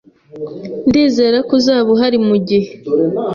Ndizera ko uzaba uhari mugihe.